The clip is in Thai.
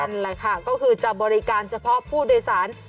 นั่นแหละค่ะก็คือจะบริการเฉพาะผู้โดยสาร